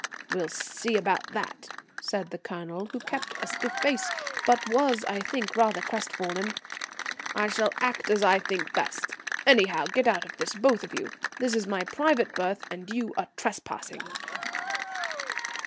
"We'll see about that," said the Colonel, who kept a stiff face, but was, I think, rather crestfallen. "I shall act as I think best. Anyhow, get out of this, both of you. This is my private berth, and you are trespassing."